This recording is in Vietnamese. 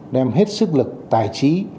đem hết sức lực tài trí